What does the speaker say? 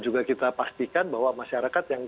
juga kita pastikan bahwa masyarakat yang